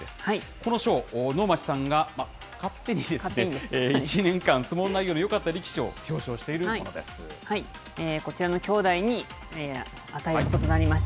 この賞、能町さんが勝手に１年間相撲内容のよかった力士を表彰しているもこちらの兄弟に与えることとなりました。